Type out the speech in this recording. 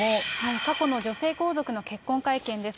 過去の女性皇族の結婚会見です。